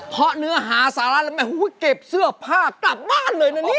เพราะเนื้อหาสาระแล้วแม่เก็บเสื้อผ้ากลับบ้านเลยนะเนี่ย